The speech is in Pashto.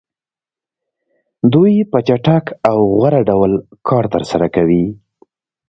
دوی په چټک او غوره ډول کار ترسره کوي